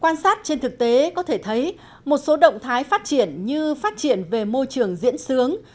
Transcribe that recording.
quan sát trên thực tế có thể thấy một số động thái phát triển như phát triển về môi trường diễn sướng